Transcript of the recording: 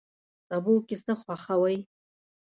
سبو کی څه خوښوئ؟